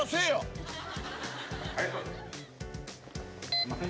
すいません。